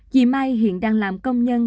chị mai hiện đang làm công nhân